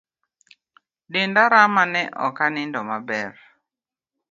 Denda rama ne ok anindo maber